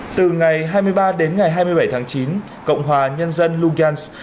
từ ngày hai mươi ba đến ngày hai mươi bảy tháng chín cộng hòa nhân dân lugans